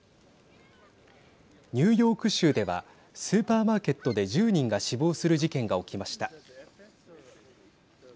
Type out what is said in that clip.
ニューヨーク州ではスーパーマーケットで１０人が死亡する事件が起きました。